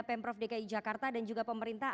pemprov dki jakarta dan juga pemerintah